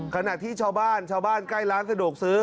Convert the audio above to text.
ขณะที่ชาวบ้านชาวบ้านใกล้ร้านสะดวกซื้อ